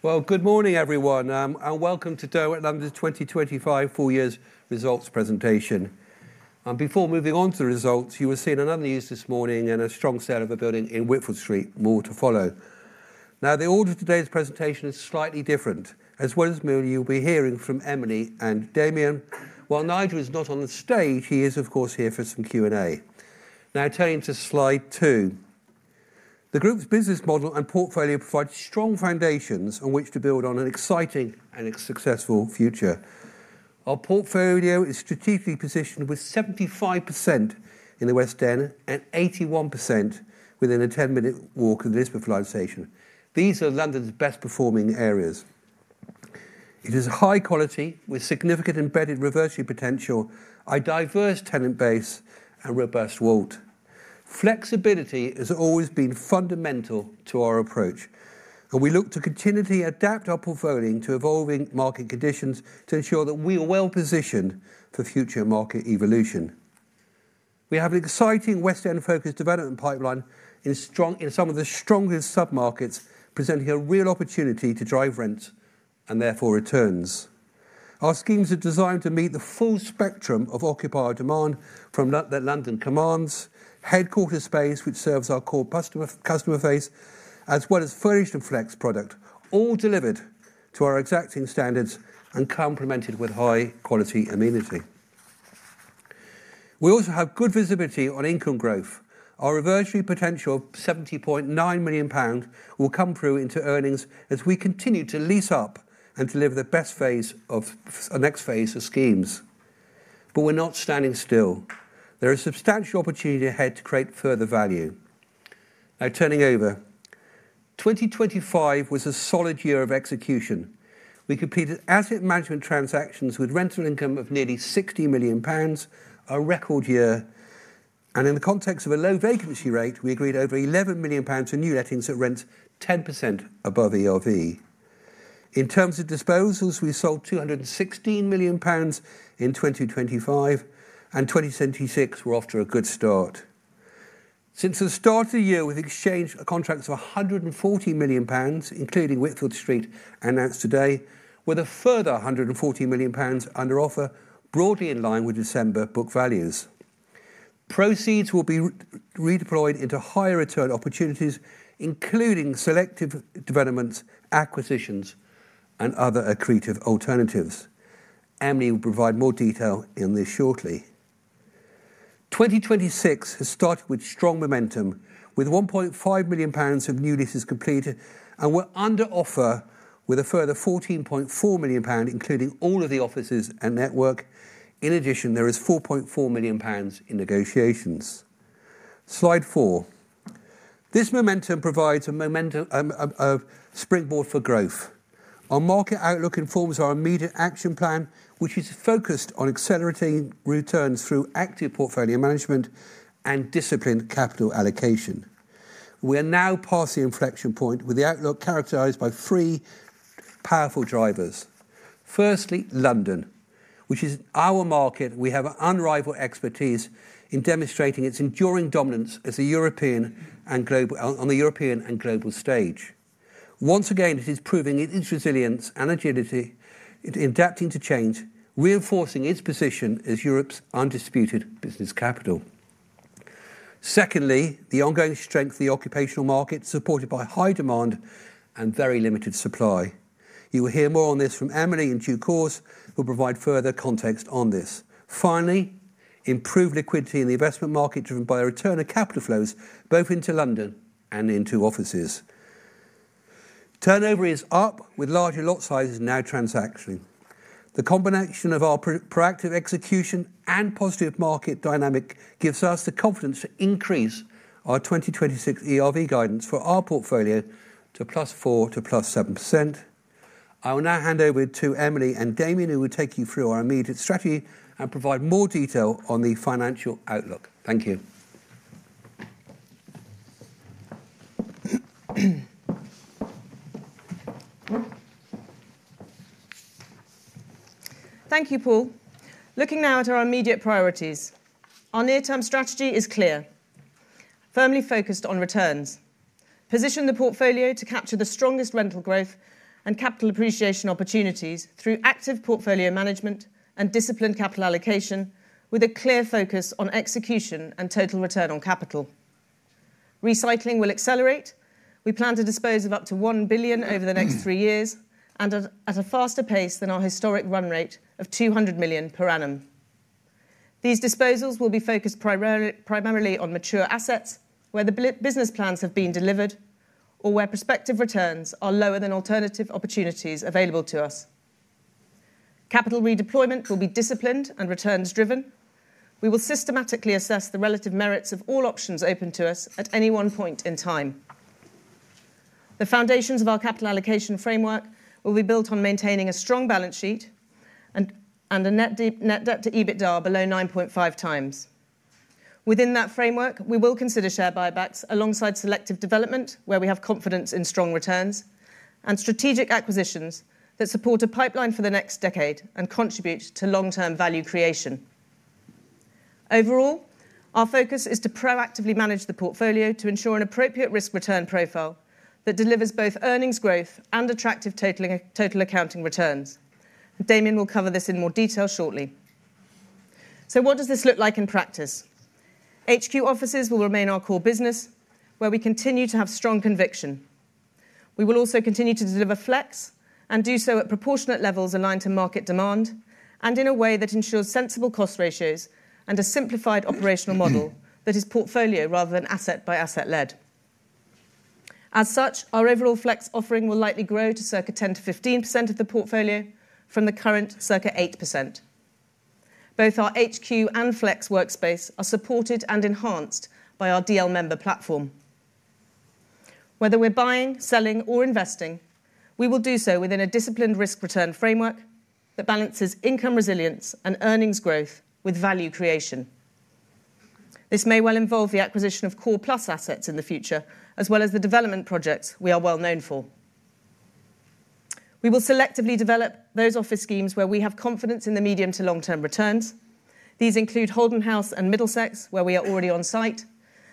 Well, good morning, everyone, and welcome to Derwent London's 2025 full year's results presentation. Before moving on to the results, you will see another news this morning and a strong sale of a building in Whitfield Street. More to follow. The order of today's presentation is slightly different. As well as me, you'll be hearing from Emily and Damien. While Nigel is not on the stage, he is, of course, here for some Q&A. Turning to slide 2. The group's business model and portfolio provide strong foundations on which to build on an exciting and successful future. Our portfolio is strategically positioned with 75% in the West End and 81% within a 10-minute walk of the Liverpool Street station. These are London's best-performing areas. It is high quality, with significant embedded reversity potential, a diverse tenant base, and robust vault. Flexibility has always been fundamental to our approach. We look to continually adapt our portfolio to evolving market conditions to ensure that we are well-positioned for future market evolution. We have an exciting West End-focused development pipeline in some of the strongest submarkets, presenting a real opportunity to drive rents and therefore returns. Our schemes are designed to meet the full spectrum of occupier demand from the London campus, headquarters space, which serves our core customer base, as well as furnished and flex product, all delivered to our exacting standards and complemented with high-quality amenity. We also have good visibility on income growth. Our reversity potential, GBP 70.9 million, will come through into earnings as we continue to lease up and deliver the next phase of schemes. We're not standing still. There is substantial opportunity ahead to create further value. Turning over. 2025 was a solid year of execution. We completed asset management transactions with rental income of nearly 60 million pounds, a record year. In the context of a low vacancy rate, we agreed over 11 million pounds for new lettings at rents 10% above ERV. In terms of disposals, we sold 216 million pounds in 2025, and 2026, we're off to a good start. Since the start of the year, we've exchanged contracts of 140 million pounds, including Whitfield Street, announced today, with a further 140 million pounds under offer, broadly in line with December book values. Proceeds will be redeployed into higher return opportunities, including selective developments, acquisitions, and other accretive alternatives. Emily will provide more detail on this shortly. 2026 has started with strong momentum, with 1.5 million pounds of new leases completed. We're under offer with a further 14.4 million pound, including all of the offices and Network W1. In addition, there is 4.4 million pounds in negotiations. Slide 4. This momentum provides a springboard for growth. Our market outlook informs our immediate action plan, which is focused on accelerating returns through active portfolio management and disciplined capital allocation. We are now past the inflection point, with the outlook characterized by three powerful drivers. Firstly, London, which is our market. We have unrivaled expertise in demonstrating its enduring dominance as a European and global on the European and global stage. Once again, it is proving its resilience and agility, it adapting to change, reinforcing its position as Europe's undisputed business capital. Secondly, the ongoing strength of the occupational market, supported by high demand and very limited supply. You will hear more on this from Emily in due course, who will provide further context on this. Improved liquidity in the investment market, driven by a return of capital flows, both into London and into offices. Turnover is up, with larger lot sizes now transacting. The combination of our proactive execution and positive market dynamic gives us the confidence to increase our 2026 ERV guidance for our portfolio to +4% to +7%. I will now hand over to Emily and Damien, who will take you through our immediate strategy and provide more detail on the financial outlook. Thank you. Thank you, Paul. Looking now at our immediate priorities, our near-term strategy is clear: firmly focused on returns. Position the portfolio to capture the strongest rental growth and capital appreciation opportunities through active portfolio management and disciplined capital allocation, with a clear focus on execution and total return on capital. Recycling will accelerate. We plan to dispose of up to 1 billion over the next three years, and at a faster pace than our historic run rate of 200 million per annum. These disposals will be focused primarily on mature assets, where the business plans have been delivered or where prospective returns are lower than alternative opportunities available to us. Capital redeployment will be disciplined and returns driven. We will systematically assess the relative merits of all options open to us at any one point in time. The foundations of our capital allocation framework will be built on maintaining a strong balance sheet and a net debt to EBITDA below 9.5 times. Within that framework, we will consider share buybacks alongside selective development, where we have confidence in strong returns, and strategic acquisitions that support a pipeline for the next decade and contribute to long-term value creation. Overall, our focus is to proactively manage the portfolio to ensure an appropriate risk-return profile that delivers both earnings growth and attractive total accounting returns. Damian will cover this in more detail shortly. What does this look like in practice? HQ offices will remain our core business, where we continue to have strong conviction. We will also continue to deliver flex and do so at proportionate levels aligned to market demand, and in a way that ensures sensible cost ratios and a simplified operational model that is portfolio rather than asset-by-asset led. As such, our overall flex offering will likely grow to circa 10%-15% of the portfolio from the current circa 8%. Both our HQ and flex workspace are supported and enhanced by our DL/Member platform. Whether we're buying, selling, or investing, we will do so within a disciplined risk-return framework that balances income resilience and earnings growth with value creation. This may well involve the acquisition of Core Plus assets in the future, as well as the development projects we are well known for. We will selectively develop those office schemes where we have confidence in the medium to long-term returns. These include Holden House and Middlesex, where we are already on site,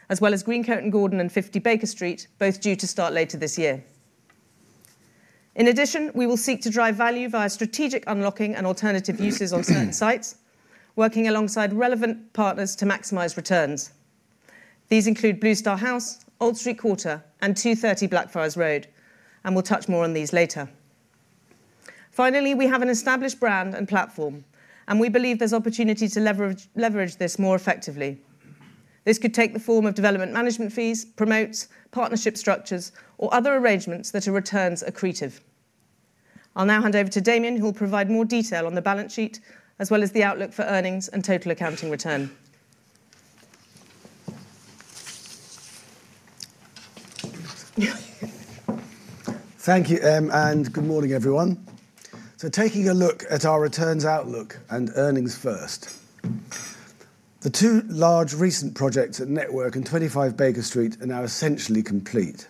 as well as Greencoat and Gordon House and 50 Baker Street, both due to start later this year. We will seek to drive value via strategic unlocking and alternative uses on certain sites, working alongside relevant partners to maximize returns. These include Blue Star House, Old Street Quarter, and 230 Blackfriars Road. We'll touch more on these later. We have an established brand and platform. We believe there's opportunity to leverage this more effectively. This could take the form of development management fees, promotes, partnership structures, or other arrangements that are returns accretive. I'll now hand over to Damian, who will provide more detail on the balance sheet, as well as the outlook for earnings and total accounting return. Thank you, Em, good morning, everyone. Taking a look at our returns outlook and earnings first. The two large recent projects at Network and 25 Baker Street are now essentially complete.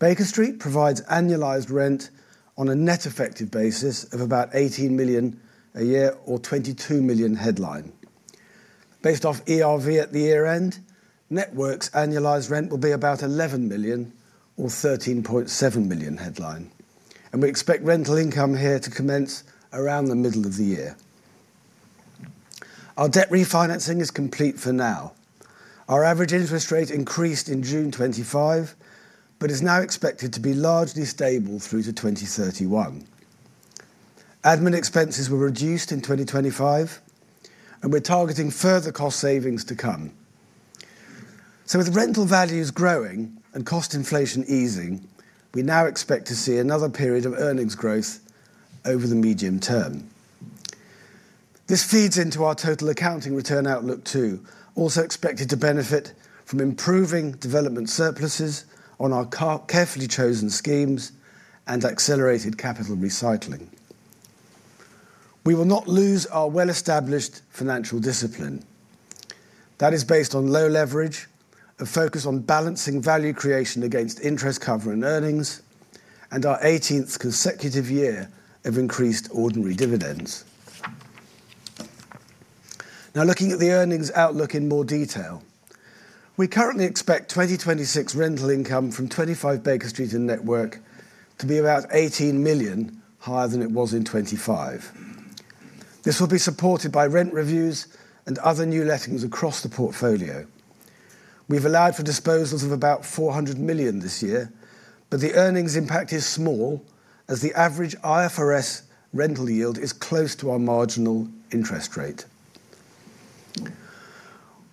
Baker Street provides annualized rent on a net effective basis of about 18 million a year or 22 million headline. Based off ERV at the year-end, Network's annualized rent will be about 11 million or 13.7 million headline, and we expect rental income here to commence around the middle of the year. Our debt refinancing is complete for now. Our average interest rate increased in June 2025, but is now expected to be largely stable through to 2031. Admin expenses were reduced in 2025, and we're targeting further cost savings to come. With rental values growing and cost inflation easing, we now expect to see another period of earnings growth over the medium term. This feeds into our total accounting return outlook, too, also expected to benefit from improving development surpluses on our carefully chosen schemes and accelerated capital recycling. We will not lose our well-established financial discipline. That is based on low leverage, a focus on balancing value creation against interest cover and earnings, and our 18th consecutive year of increased ordinary dividends. Looking at the earnings outlook in more detail. We currently expect 2026 rental income from 25 Baker Street and Network to be about 18 million higher than it was in 2025. This will be supported by rent reviews and other new lettings across the portfolio. We've allowed for disposals of about 400 million this year. The earnings impact is small, as the average IFRS rental yield is close to our marginal interest rate.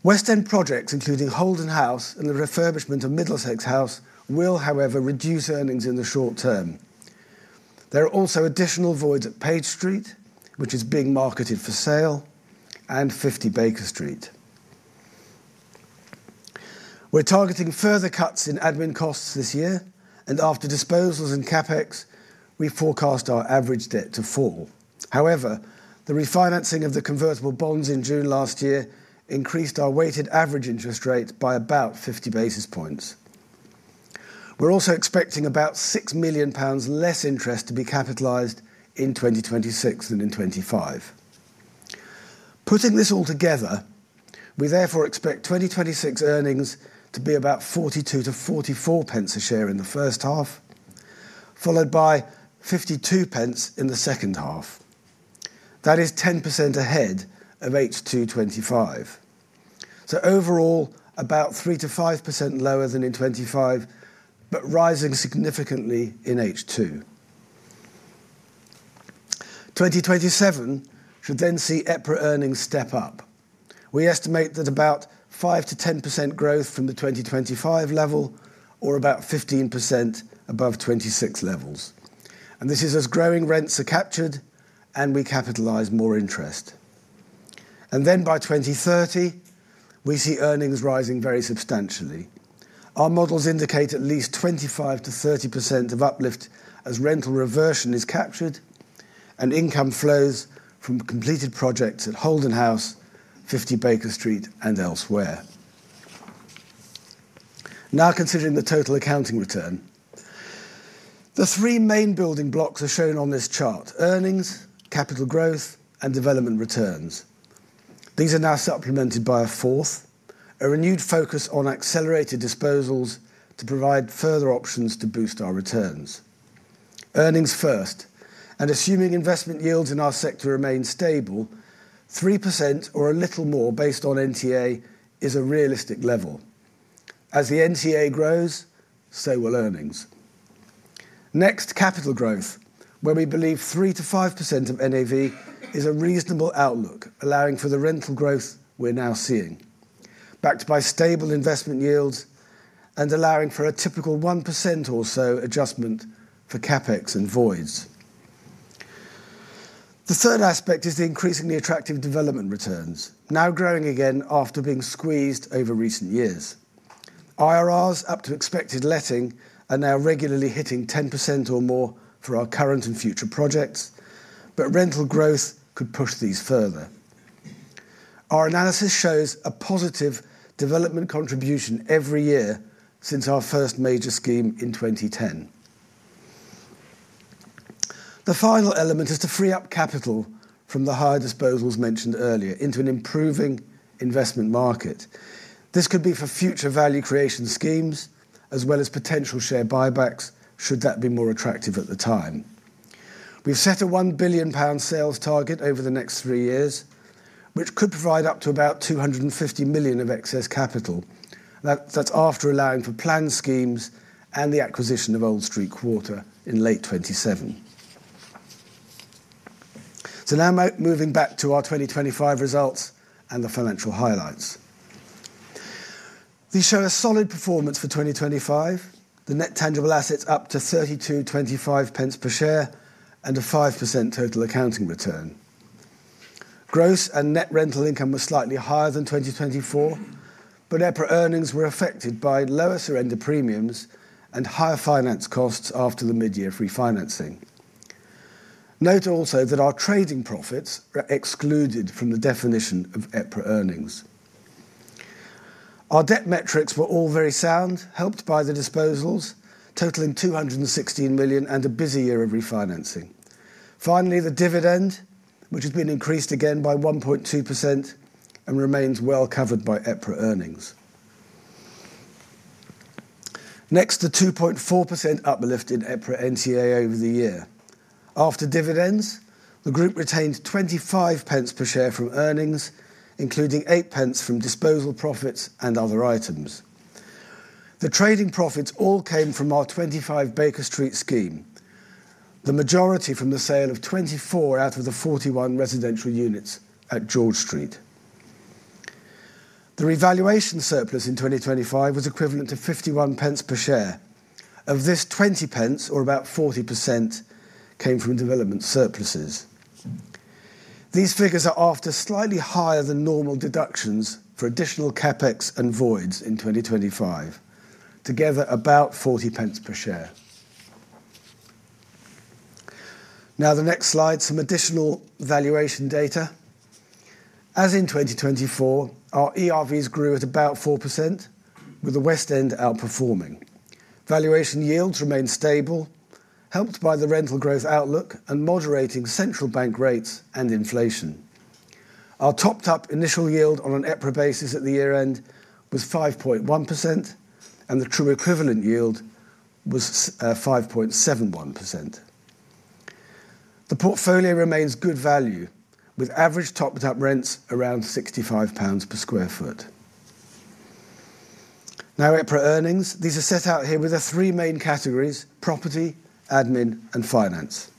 West End projects, including Holden House and the refurbishment of Middlesex House, will, however, reduce earnings in the short term. There are also additional voids at Page Street, which is being marketed for sale, and 50 Baker Street. We're targeting further cuts in admin costs this year. After disposals and CapEx, we forecast our average debt to fall. The refinancing of the convertible bonds in June last year increased our weighted average interest rate by about 50 basis points. We're also expecting about 6 million pounds less interest to be capitalized in 2026 than in 2025. Putting this all together, we therefore expect 2026 earnings to be about 0.42-0.44 a share in the first half, followed by 0.52 in the second half. That is 10% ahead of H2 2025. Overall, about 3%-5% lower than in 2025, but rising significantly in H2. 2027 should see EPRA earnings step up. We estimate that about 5%-10% growth from the 2025 level, or about 15% above 2026 levels. This is as growing rents are captured, and we capitalize more interest. By 2030, we see earnings rising very substantially. Our models indicate at least 25%-30% of uplift as rental reversion is captured and income flows from completed projects at Holden House, 50 Baker Street, and elsewhere. Now considering the total accounting return. The three main building blocks are shown on this chart: earnings, capital growth, and development returns. These are now supplemented by a fourth, a renewed focus on accelerated disposals to provide further options to boost our returns. Earnings first, assuming investment yields in our sector remain stable, 3% or a little more, based on NTA, is a realistic level. As the NTA grows, so will earnings. Next, capital growth, where we believe 3%-5% of NAV is a reasonable outlook, allowing for the rental growth we're now seeing, backed by stable investment yields and allowing for a typical 1% or so adjustment for CapEx and voids. The third aspect is the increasingly attractive development returns, now growing again after being squeezed over recent years. IRRs up to expected letting are now regularly hitting 10% or more for our current and future projects, but rental growth could push these further. Our analysis shows a positive development contribution every year since our first major scheme in 2010. The final element is to free up capital from the higher disposals mentioned earlier into an improving investment market. This could be for future value creation schemes, as well as potential share buybacks, should that be more attractive at the time. We've set a 1 billion pound sales target over the next three years, which could provide up to about 250 million of excess capital. That's after allowing for planned schemes and the acquisition of Old Street Quarter in late 2027. Now moving back to our 2025 results and the financial highlights. These show a solid performance for 2025. The Net Tangible Assets up to 32.25 per share, and a 5% total accounting return. Gross and net rental income was slightly higher than 2024. EPRA earnings were affected by lower surrender premiums and higher finance costs after the mid-year refinancing. Note also that our trading profits are excluded from the definition of EPRA earnings. Our debt metrics were all very sound, helped by the disposals, totaling 216 million and a busy year of refinancing. Finally, the dividend, which has been increased again by 1.2% and remains well covered by EPRA earnings. The 2.4% uplift in EPRA NTA over the year. After dividends, the group retained 0.25 per share from earnings, including 0.08 from disposal profits and other items. The trading profits all came from our 25 Baker Street scheme, the majority from the sale of 24 out of the 41 residential units at George Street. The revaluation surplus in 2025 was equivalent to 51 pence per share. Of this, 20 pence, or about 40%, came from development surpluses. These figures are after slightly higher than normal deductions for additional CapEx and voids in 2025, together about 40 pence per share. The next slide, some additional valuation data. As in 2024, our ERVs grew at about 4%, with the West End outperforming. Valuation yields remained stable, helped by the rental growth outlook and moderating central bank rates and inflation. Our topped-up initial yield on an EPRA basis at the year-end was 5.1%, and the true equivalent yield was 5.71%. The portfolio remains good value, with average topped-up rents around 65 pounds per sq ft. EPRA earnings. These are set out here with the three main categories: property, admin, and finance.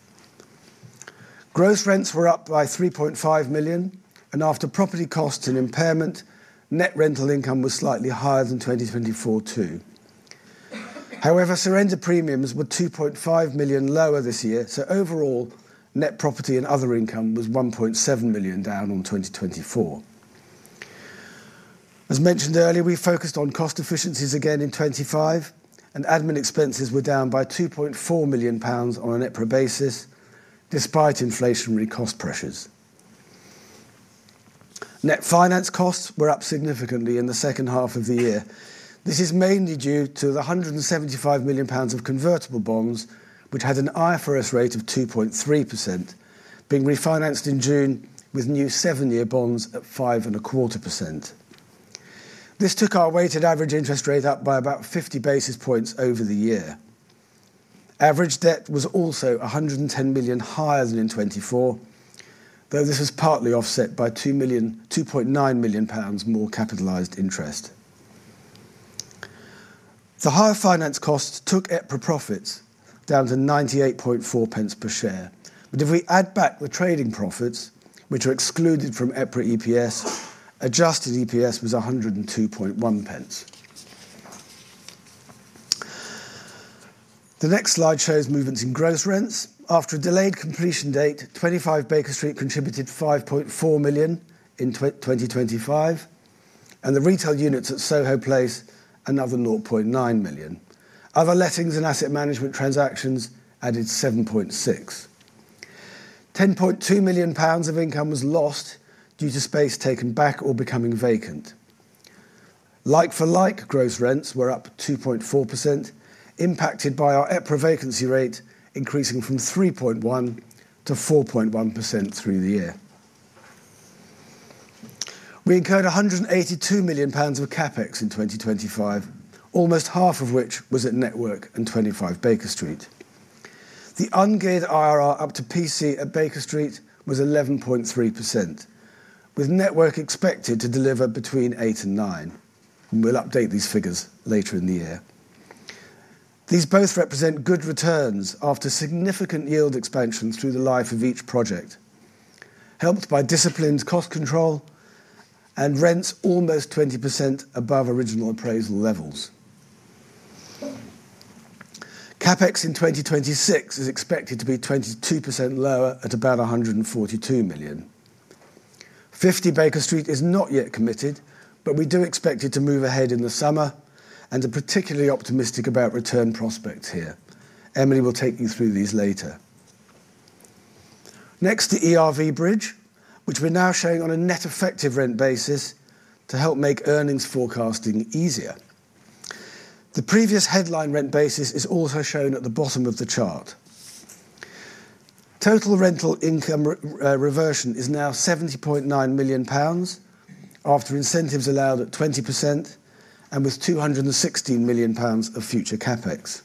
Gross rents were up by 3.5 million, after property costs and impairment, net rental income was slightly higher than 2024, too. Surrender premiums were 2.5 million lower this year, overall, net property and other income was 1.7 million down on 2024. As mentioned earlier, we focused on cost efficiencies again in 2025, admin expenses were down by 2.4 million pounds on an EPRA basis, despite inflationary cost pressures. Net finance costs were up significantly in the second half of the year. This is mainly due to the 175 million pounds of convertible bonds, which had an IFRS rate of 2.3%, being refinanced in June with new seven-year bonds at five and a quarter percent. This took our weighted average interest rate up by about 50 basis points over the year. Average debt was also 110 million higher than in 2024, though this was partly offset by 2.9 million pounds more capitalized interest. The higher finance costs took EPRA profits down to 0.984 per share. If we add back the trading profits, which are excluded from EPRA EPS, adjusted EPS was 1.021. The next slide shows movements in gross rents. After a delayed completion date, 25 Baker Street contributed 5.4 million in 2025, and the retail units at Soho Place, another 0.9 million. 10.2 million pounds of income was lost due to space taken back or becoming vacant. Like for like, gross rents were up 2.4%, impacted by our EPRA vacancy rate increasing from 3.1%-4.1% through the year. We incurred 182 million pounds of CapEx in 2025, almost half of which was at Network and 25 Baker Street. The ungeared IRR up to PC at Baker Street was 11.3%, with Network expected to deliver between 8 and 9. We'll update these figures later in the year. These both represent good returns after significant yield expansions through the life of each project, helped by disciplined cost control and rents almost 20% above original appraisal levels. CapEx in 2026 is expected to be 22% lower, at about 142 million. 50 Baker Street is not yet committed, but we do expect it to move ahead in the summer and are particularly optimistic about return prospects here. Emily will take you through these later. The ERV bridge, which we're now showing on a net effective rent basis to help make earnings forecasting easier. The previous headline rent basis is also shown at the bottom of the chart. Total rental income reversion is now 70.9 million pounds, after incentives allowed at 20% and with 216 million pounds of future CapEx.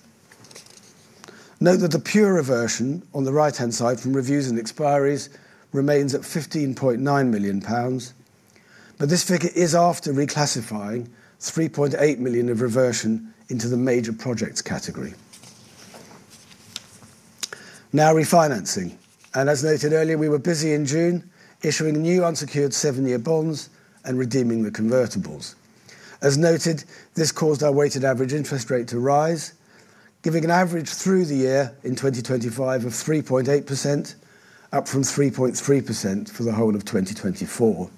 Note that the pure reversion on the right-hand side from reviews and expiries remains at 15.9 million pounds, This figure is after reclassifying 3.8 million of reversion into the major projects category. Refinancing, and as noted earlier, we were busy in June issuing new unsecured 7-year bonds and redeeming the convertibles. As noted, this caused our weighted average interest rate to rise, giving an average through the year in 2025 of 3.8%, up from 3.3% for the whole of 2024.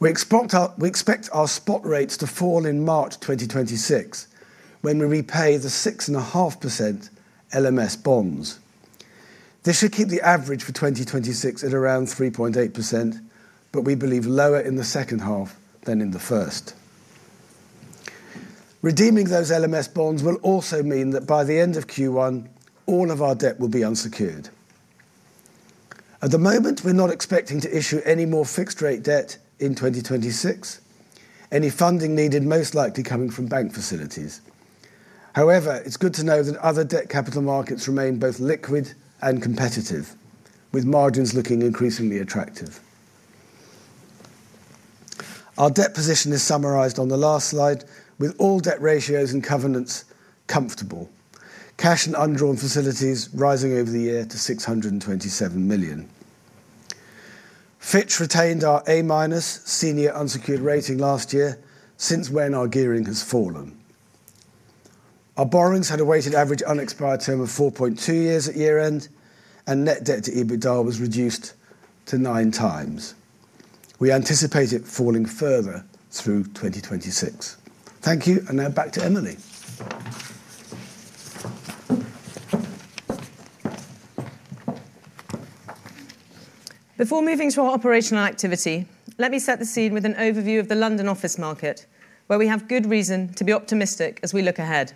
We expect our spot rates to fall in March 2026, when we repay the 6.5% LMS bonds. This should keep the average for 2026 at around 3.8%, We believe lower in the second half than in the first. Redeeming those LMS bonds will also mean that by the end of Q1, all of our debt will be unsecured. At the moment, we're not expecting to issue any more fixed-rate debt in 2026, any funding needed most likely coming from bank facilities. It's good to know that other debt capital markets remain both liquid and competitive, with margins looking increasingly attractive. Our debt position is summarized on the last slide, with all debt ratios and covenants comfortable. Cash and undrawn facilities rising over the year to 627 million. Fitch retained our A- senior unsecured rating last year, since when our gearing has fallen. Our borrowings had a weighted average unexpired term of 4.2 years at year-end, and net debt to EBITDA was reduced to 9 times. We anticipate it falling further through 2026. Thank you. Now back to Emily. Before moving to our operational activity, let me set the scene with an overview of the London office market, where we have good reason to be optimistic as we look ahead.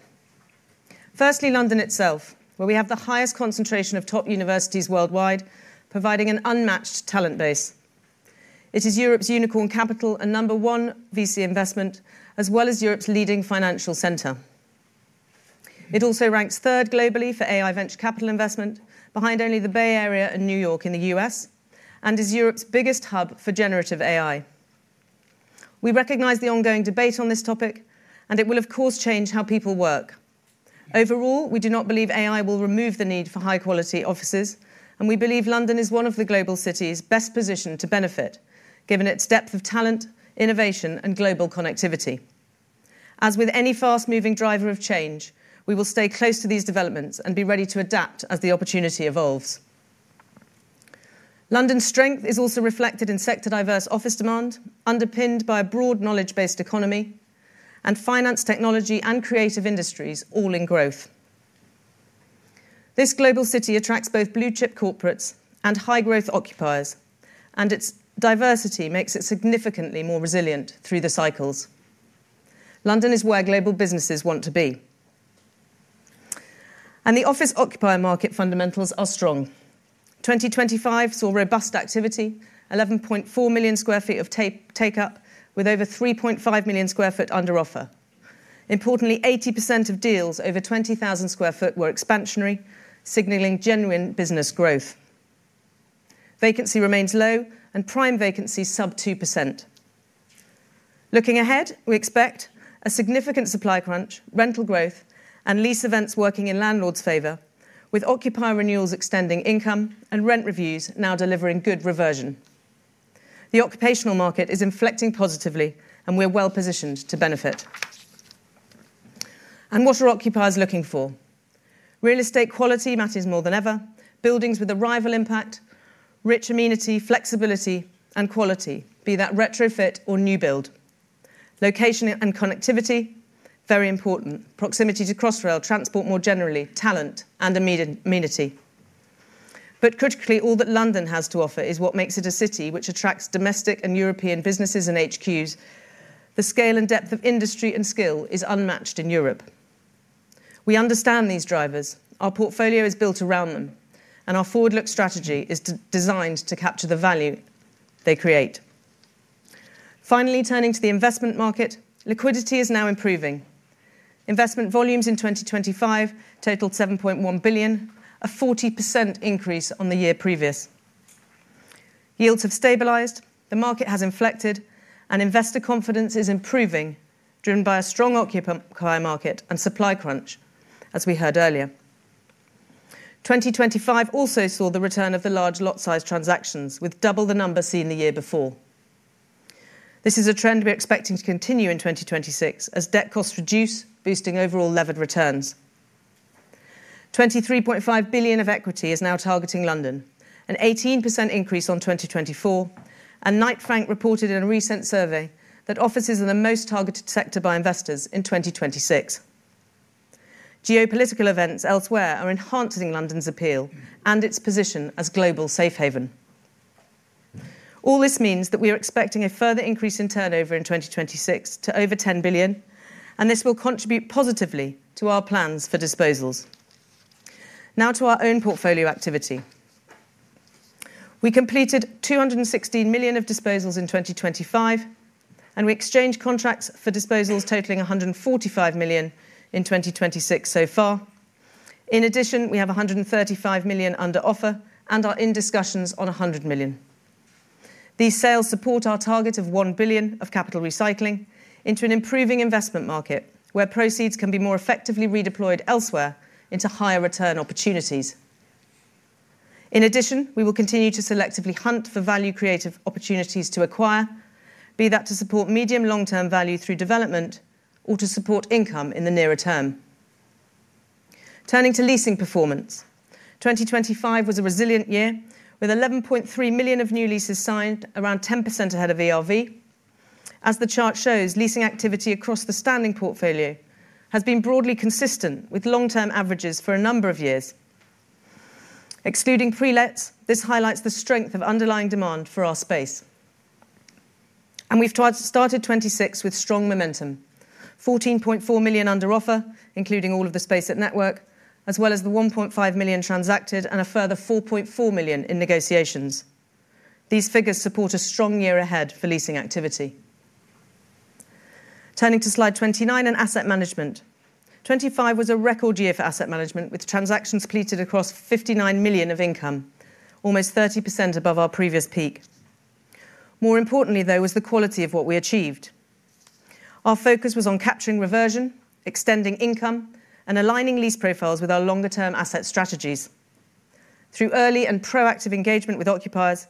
London itself, where we have the highest concentration of top universities worldwide, providing an unmatched talent base. It is Europe's unicorn capital and number one VC investment, as well as Europe's leading financial center. It also ranks third globally for AI venture capital investment, behind only the Bay Area and New York in the U.S., and is Europe's biggest hub for generative AI. We recognize the ongoing debate on this topic, it will of course, change how people work. Overall, we do not believe AI will remove the need for high-quality offices, we believe London is one of the global cities best positioned to benefit, given its depth of talent, innovation, and global connectivity. As with any fast-moving driver of change, we will stay close to these developments and be ready to adapt as the opportunity evolves. London's strength is also reflected in sector-diverse office demand, underpinned by a broad knowledge-based economy and finance, technology, and creative industries, all in growth. This global city attracts both blue-chip corporates and high-growth occupiers, and its diversity makes it significantly more resilient through the cycles. London is where global businesses want to be. The office occupier market fundamentals are strong. 2025 saw robust activity, 11.4 million sq ft of take up, with over 3.5 million sq ft under offer. Importantly, 80% of deals over 20,000 sq ft were expansionary, signaling genuine business growth. Vacancy remains low and prime vacancy sub 2%. Looking ahead, we expect a significant supply crunch, rental growth, and lease events working in landlord's favor, with occupier renewals extending income and rent reviews now delivering good reversion. The occupational market is inflecting positively, we're well-positioned to benefit. What are occupiers looking for? Real estate quality matters more than ever, buildings with arrival impact, rich amenity, flexibility, and quality, be that retrofit or new build. Location and connectivity, very important. Proximity to Crossrail, transport more generally, talent, and amenity. Critically, all that London has to offer is what makes it a city which attracts domestic and European businesses and HQs. The scale and depth of industry and skill is unmatched in Europe. We understand these drivers, our portfolio is built around them, and our forward-look strategy is designed to capture the value they create. Finally, turning to the investment market, liquidity is now improving. Investment volumes in 2025 totaled 7.1 billion, a 40% increase on the year previous. Yields have stabilized, the market has inflected, and investor confidence is improving, driven by a strong occupant client market and supply crunch, as we heard earlier. 2025 also saw the return of the large lot size transactions, with double the number seen the year before. This is a trend we're expecting to continue in 2026 as debt costs reduce, boosting overall levered returns. 23.5 billion of equity is now targeting London, an 18% increase on 2024, Knight Frank reported in a recent survey that offices are the most targeted sector by investors in 2026. Geopolitical events elsewhere are enhancing London's appeal and its position as global safe haven. All this means that we are expecting a further increase in turnover in 2026 to over 10 billion. This will contribute positively to our plans for disposals. Now to our own portfolio activity. We completed 216 million of disposals in 2025. We exchanged contracts for disposals totaling 145 million in 2026 so far. In addition, we have 135 million under offer and are in discussions on 100 million. These sales support our target of 1 billion of capital recycling into an improving investment market, where proceeds can be more effectively redeployed elsewhere into higher return opportunities. In addition, we will continue to selectively hunt for value-creative opportunities to acquire, be that to support medium long-term value through development or to support income in the nearer term. Turning to leasing performance. 2025 was a resilient year, with 11.3 million of new leases signed, around 10% ahead of ERV. As the chart shows, leasing activity across the standing portfolio has been broadly consistent with long-term averages for a number of years. Excluding pre-lets, this highlights the strength of underlying demand for our space. We've started 2026 with strong momentum. 14.4 million under offer, including all of the space at Network, as well as the 1.5 million transacted and a further 4.4 million in negotiations. These figures support a strong year ahead for leasing activity. Turning to slide 29 and asset management. 2025 was a record year for asset management, with transactions completed across 59 million of income, almost 30% above our previous peak. More importantly, though, was the quality of what we achieved. Our focus was on capturing reversion, extending income, and aligning lease profiles with our longer-term asset strategies. Through early and proactive engagement with occupiers,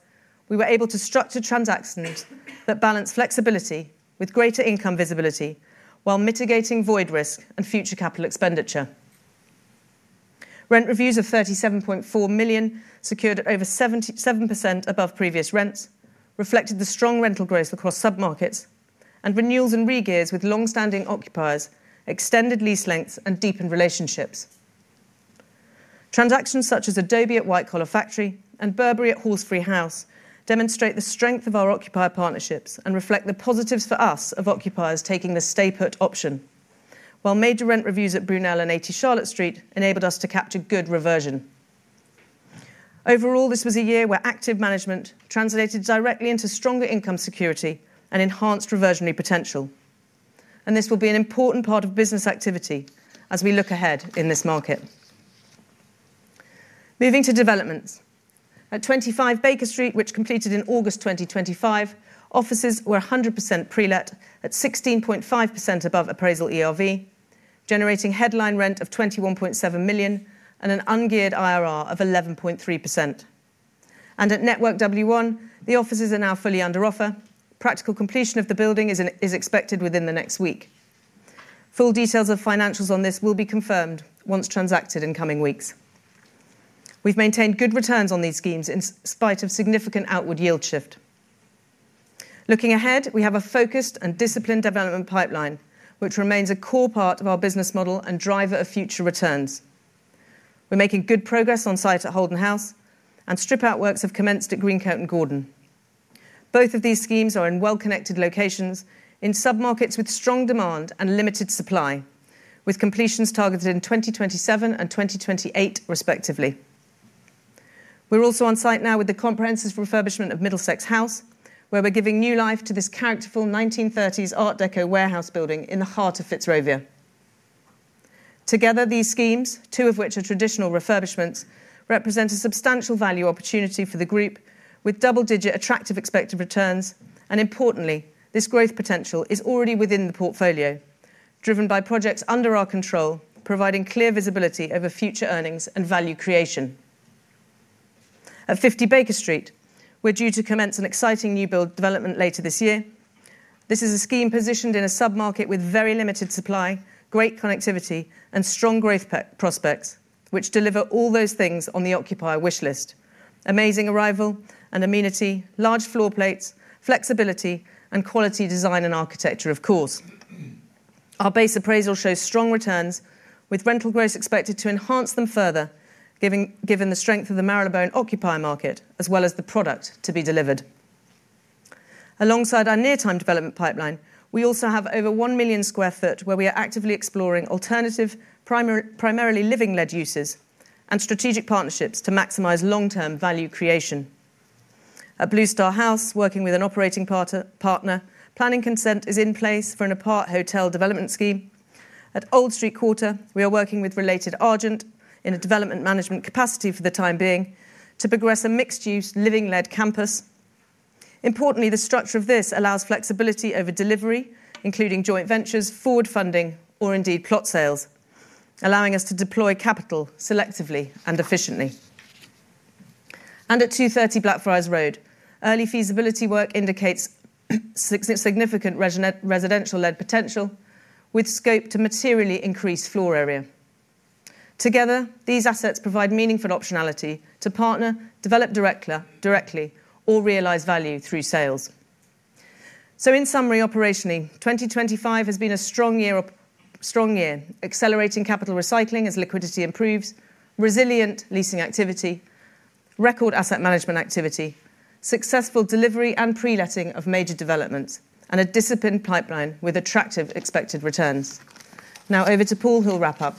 we were able to structure transactions that balance flexibility with greater income visibility, while mitigating void risk and future CapEx. Rent reviews of 37.4 million, secured at over 77% above previous rents, reflected the strong rental growth across sub-markets. Renewals and re-gears with long-standing occupiers, extended lease lengths and deepened relationships. Transactions such as Adobe at White Collar Factory and Burberry at Horseferry House demonstrate the strength of our occupier partnerships and reflect the positives for us of occupiers taking the stay-put option. Major rent reviews at Brunel and 80 Charlotte Street enabled us to capture good reversion. Overall, this was a year where active management translated directly into stronger income security and enhanced reversionary potential, this will be an important part of business activity as we look ahead in this market. Moving to developments. At 25 Baker Street, which completed in August 2025, offices were 100% pre-let at 16.5% above appraisal ERV, generating headline rent of 21.7 million and an ungeared IRR of 11.3%. At Network W1, the offices are now fully under offer. Practical completion of the building is expected within the next week. Full details of financials on this will be confirmed once transacted in coming weeks. We've maintained good returns on these schemes in spite of significant outward yield shift. Looking ahead, we have a focused and disciplined development pipeline, which remains a core part of our business model and driver of future returns. We're making good progress on site at Holden House, and strip-out works have commenced at Greencoat and Gordon House. Both of these schemes are in well-connected locations, in sub-markets with strong demand and limited supply, with completions targeted in 2027 and 2028 respectively. We're also on site now with the comprehensive refurbishment of Middlesex House, where we're giving new life to this characterful 1930s art deco warehouse building in the heart of Fitzrovia. Together, these schemes, two of which are traditional refurbishments, represent a substantial value opportunity for the group, with double-digit attractive expected returns, and importantly, this growth potential is already within the portfolio, driven by projects under our control, providing clear visibility over future earnings and value creation. At 50 Baker Street, we're due to commence an exciting new build development later this year. This is a scheme positioned in a sub-market with very limited supply, great connectivity, and strong growth prospects, which deliver all those things on the occupier wish list: amazing arrival and amenity, large floor plates, flexibility, and quality design and architecture, of course. Our base appraisal shows strong returns, with rental growth expected to enhance them further, given the strength of the Marylebone occupier market, as well as the product to be delivered. Alongside our near-term development pipeline, we also have over 1 million sq ft, where we are actively exploring alternative, primarily living-led uses and strategic partnerships to maximize long-term value creation. At Blue Star House, working with an operating partner, planning consent is in place for an aparthotel development scheme. At Old Street Quarter, we are working with Related Argent in a development management capacity for the time being, to progress a mixed-use, living-led campus. Importantly, the structure of this allows flexibility over delivery, including joint ventures, forward funding, or indeed plot sales, allowing us to deploy capital selectively and efficiently. At 230 Blackfriars Road, early feasibility work indicates significant residential-led potential, with scope to materially increase floor area. Together, these assets provide meaningful optionality to partner, develop directly, or realize value through sales. In summary, operationally, 2025 has been a strong year, accelerating capital recycling as liquidity improves, resilient leasing activity, record asset management activity, successful delivery and pre-letting of major developments, and a disciplined pipeline with attractive expected returns. Over to Paul, who'll wrap up.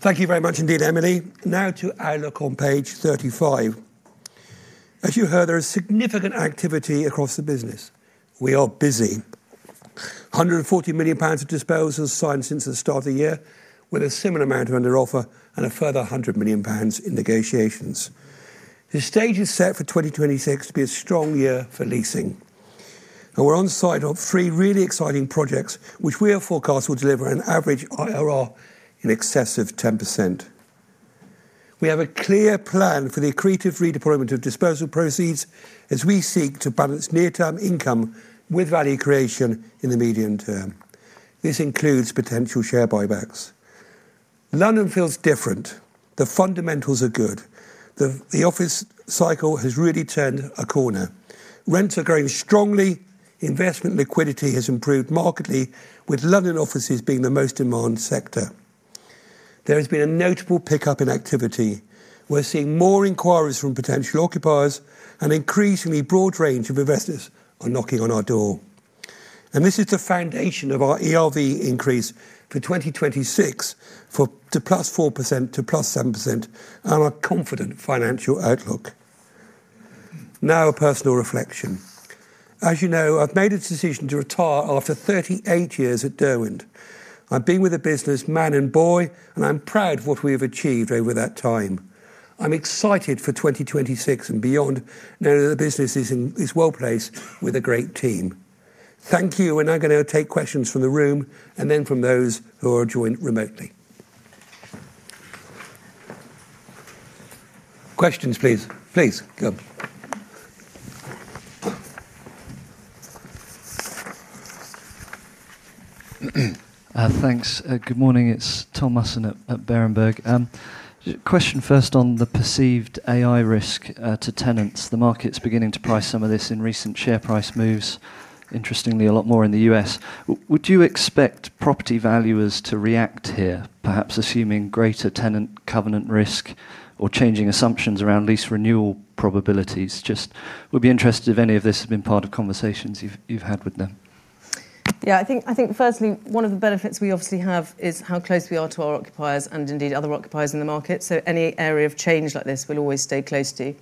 Thank you very much indeed, Emily. Now to our look on page 35. As you heard, there is significant activity across the business. We are busy. 140 million pounds of disposals signed since the start of the year, with a similar amount under offer and a further 100 million pounds in negotiations. The stage is set for 2026 to be a strong year for leasing, and we're on site of three really exciting projects, which we are forecast will deliver an average IRR in excess of 10%. We have a clear plan for the accretive redeployment of disposal proceeds as we seek to balance near-term income with value creation in the medium term. This includes potential share buybacks. London feels different. The fundamentals are good. The office cycle has really turned a corner. Rents are growing strongly, investment liquidity has improved markedly, with London offices being the most in-demand sector. There has been a notable pickup in activity. We're seeing more inquiries from potential occupiers, an increasingly broad range of investors are knocking on our door. This is the foundation of our ERV increase for 2026, to +4% to +7%, and our confident financial outlook. Now, a personal reflection. As you know, I've made a decision to retire after 38 years at Derwent. I've been with the business man and boy, I'm proud of what we have achieved over that time. I'm excited for 2026 and beyond, knowing that the business is well-placed with a great team. Thank you. We're now going to take questions from the room and then from those who are joined remotely. Questions, please. Please, come. Thanks. Good morning, it's Thomas Musson at Berenberg. Question first on the perceived AI risk to tenants. The market's beginning to price some of this in recent share price moves. Interestingly, a lot more in the U.S. Would you expect property valuers to react here, perhaps assuming greater tenant covenant risk or changing assumptions around lease renewal probabilities? Just would be interested if any of this has been part of conversations you've had with them. I think firstly, one of the benefits we obviously have is how close we are to our occupiers and indeed other occupiers in the market, so any area of change like this, we will always stay close to.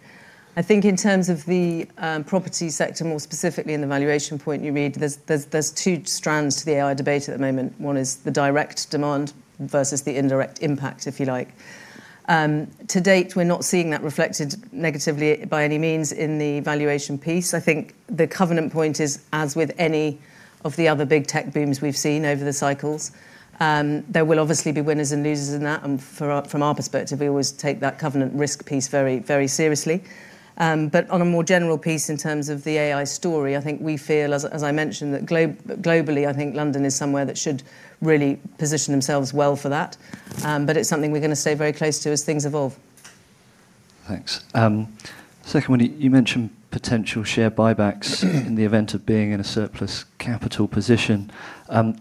I think in terms of the property sector, more specifically in the valuation point you made, there's two strands to the AI debate at the moment. One is the direct demand versus the indirect impact, if you like. To date, we are not seeing that reflected negatively by any means in the valuation piece. I think the covenant point is, as with any of the other big tech booms we have seen over the cycles, there will obviously be winners and losers in that, and from our perspective, we always take that covenant risk piece very, very seriously. On a more general piece, in terms of the AI story, I think we feel as I mentioned, that globally, I think London is somewhere that should really position themselves well for that. It's something we're going to stay very close to as things evolve. Thanks. Second one, you mentioned potential share buybacks in the event of being in a surplus capital position.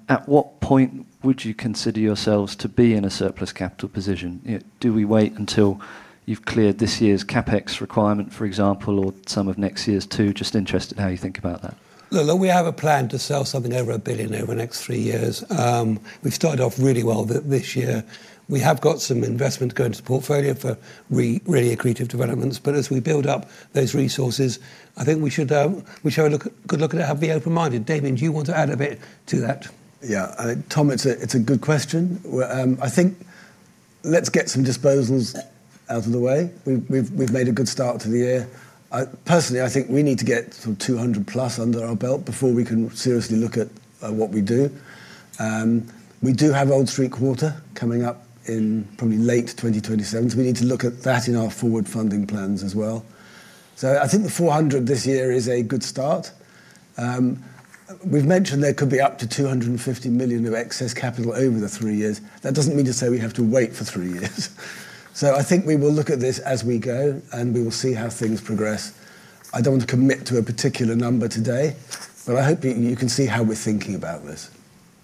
At what point would you consider yourselves to be in a surplus capital position? Do we wait until you've cleared this year's CapEx requirement, for example, or some of next year's too? Just interested how you think about that. Look, we have a plan to sell something over 1 billion over the next three years. We've started off really well this year. We have got some investment going into the portfolio for really accretive developments, but as we build up those resources, I think we should have a look, good look and be open-minded. Damien, do you want to add a bit to that? Yeah. I think, Tom, it's a good question. Well, I think let's get some disposals out of the way. We've made a good start to the year. Personally, I think we need to get sort of 200 plus under our belt before we can seriously look at, what we do. We do have Old Street Quarter coming up in probably late 2027. We need to look at that in our forward funding plans as well. I think the 400 this year is a good start. We've mentioned there could be up to 250 million of excess capital over the 3 years. That doesn't mean to say we have to wait for 3 years. I think we will look at this as we go, and we will see how things progress. I don't want to commit to a particular number today, but I hope you can see how we're thinking about this.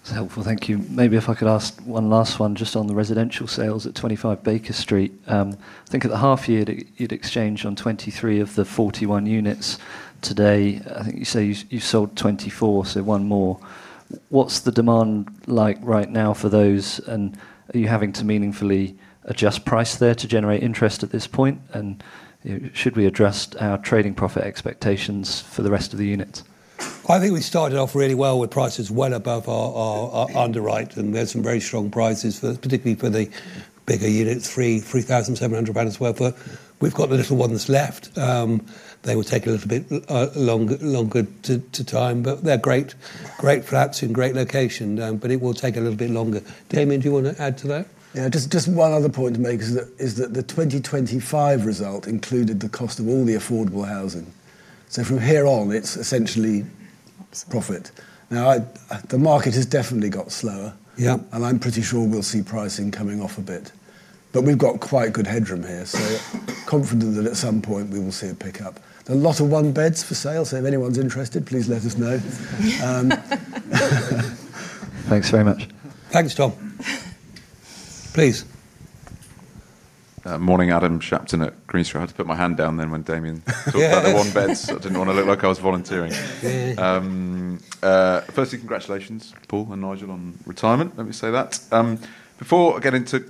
That's helpful. Thank you. Maybe if I could ask one last one just on the residential sales at 25 Baker Street. I think at the half year, you'd exchanged on 23 of the 41 units. Today, I think you say you sold 24, so one more. What's the demand like right now for those, and are you having to meaningfully adjust price there to generate interest at this point? Should we adjust our trading profit expectations for the rest of the units? I think we started off really well, with prices well above our underwrite, and we had some very strong prices for, particularly for the bigger units, 3,700 pounds sq ft. We've got the little ones left. They will take a little bit longer to time, but they're great flats in a great location, but it will take a little bit longer. Damian, do you want to add to that? Yeah, just one other point to make is that the 2025 result included the cost of all the affordable housing. From here on, it's essentially profit. Now, I, the market has definitely got slower. Yeah I'm pretty sure we'll see pricing coming off a bit, but we've got quite good headroom here, so confident that at some point we will see a pickup. There are a lot of one beds for sale, so if anyone's interested, please let us know. Thanks very much. Thanks, Tom. Please. Morning, Adam Shapton at Green Street. I had to put my hand down then when Damian talked about the one beds. I didn't want to look like I was volunteering. Yeah. Firstly, congratulations, Paul and Nigel, on retirement. Let me say that. Before I get into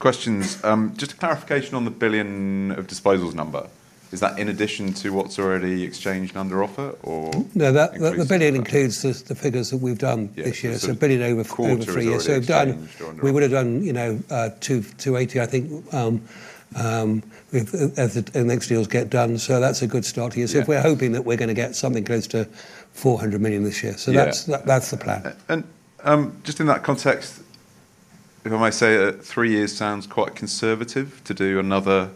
questions, just a clarification on the 1 billion of disposals number. Is that in addition to what's already exchanged and under offer? No. Increased- The 1 billion includes the figures that we've done this year. Yeah. 1 billion over three years. A quarter is already exchanged. We would've done, you know, 280, I think, with, as the next deals get done. That's a good start here. Yeah. We're hoping that we're going to get something close to 400 million this year. Yeah. That's the plan. Just in that context, if I may say, 3 years sounds quite conservative to do another